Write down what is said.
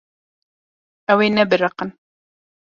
Ew ê nebiriqin.